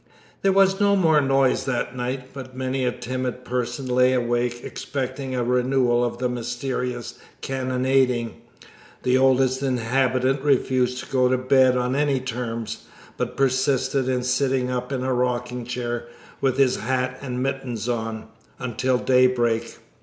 There was no more noise that night, but many a timid person lay awake expecting a renewal of the mysterious cannonading. The Oldest Inhabitant refused to go to bed on any terms, but persisted in sitting up in a rocking chair, with his hat and mittens on, until daybreak.